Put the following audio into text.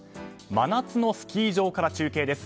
真夏のスキー場から中継です。